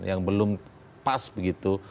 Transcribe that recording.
yang belum pas begitu